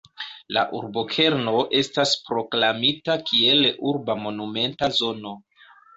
La urbokerno estas proklamita kiel urba monumenta zono.